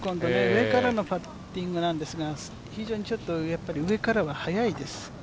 上からのパッティングなんですが非常にちょっと上からは速いです。